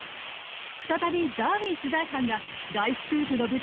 再びダーウィン取材班が大スクープの舞台